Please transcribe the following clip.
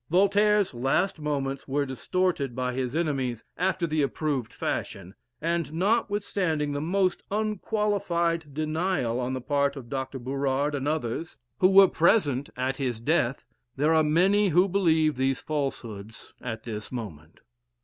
Voltaire's last moments were distorted by his enemies after the approved fashion; and notwithstanding the most unqualified denial on the part of Dr. Burard and others, who were present at his death, there are many who believe these falsehoods at this moment.